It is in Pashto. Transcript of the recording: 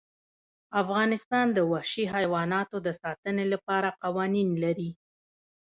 افغانستان د وحشي حیوانات د ساتنې لپاره قوانین لري.